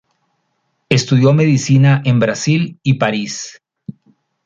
Estudió medicina en Brasil y París.